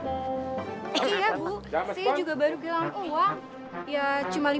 iya bu saya juga baru bilang uang ya cuma lima puluh